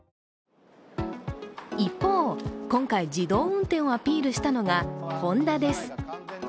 一方、今回、自動運転をアピールしたのがホンダです。